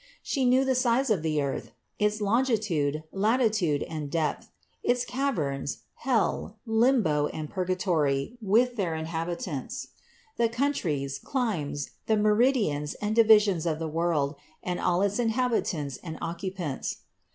She knew the size of the earth, its longitude, latitude and depth, its caverns, hell, limbo and purgatory with their inhabitants; the countries, climes, the meridians and divisions of the world, and all its inhabitants and occupants.